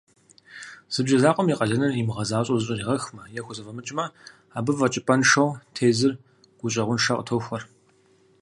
Зы бжьэ закъуэм и къалэныр имыгъэзащӀэу зыщӀригъэхмэ е хузэфӀэмыкӀмэ, абы фӀэкӀыпӀэншэу тезыр гущӀэгъуншэ къытохуэр.